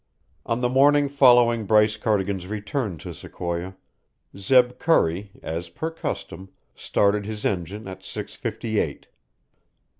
On the morning following Bryce Cardigan's return to Sequoia, Zeb Curry, as per custom, started his engine at six fifty eight.